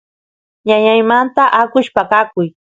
ñañaymanta akush paqakuy